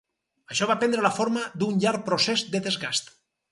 Això va prendre la forma d'un llarg procés de desgast.